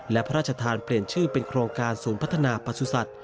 และพระราชทานเปลี่ยนชื่อเป็นโครงการศูนย์พัฒนาประสุทธิ์